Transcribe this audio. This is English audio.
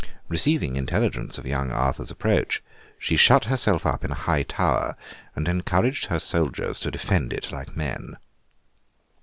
Receiving intelligence of young Arthur's approach, she shut herself up in a high tower, and encouraged her soldiers to defend it like men.